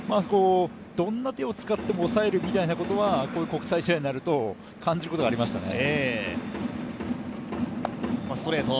どんな手を使っても抑えるみたいなことはこういう国際試合になると、感じることがありましたね。